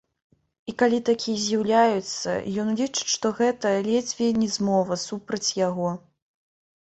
І калі такія з'яўляюцца, ён лічыць, што гэта ледзьве не змова супраць яго.